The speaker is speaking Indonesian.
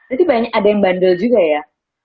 berarti ada yang bandel juga ya